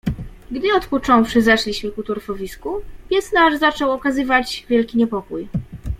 "Gdy odpocząwszy, zeszliśmy ku torfowisku, pies nasz zaczął okazywać wielki niepokój."